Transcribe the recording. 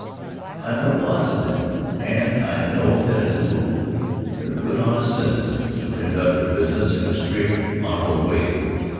I know lots of them and I know that, as a rule, they're good honest citizens who conduct their business in a straight, honorable way.